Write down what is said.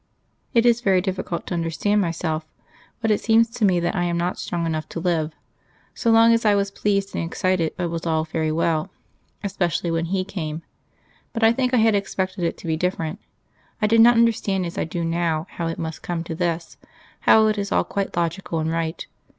It is very difficult to understand myself; but it seems to me that I am not strong enough to live. So long as I was pleased and excited it was all very well especially when He came. But I think I had expected it to be different; I did not understand as I do now how it must come to this how it is all quite logical and right.